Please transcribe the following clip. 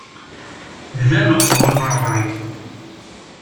D ameɣbun n ṛṛay.